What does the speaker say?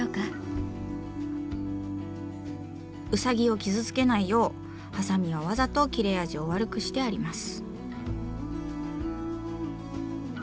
ウサギを傷つけないようハサミはわざと切れ味を悪くしてあります。